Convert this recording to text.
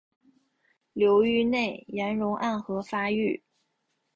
流域内岩溶暗河发育。